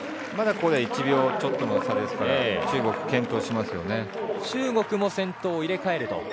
まだここでは１秒ちょっとの差ですから中国は中国も先頭を入れ替えると。